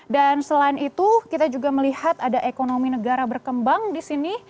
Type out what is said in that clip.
dan selain itu kita juga melihat ada ekonomi negara berkembang di sini